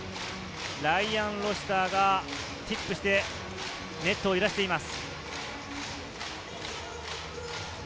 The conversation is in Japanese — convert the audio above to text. ライアン・ロシターがティップしてネットを揺らしています。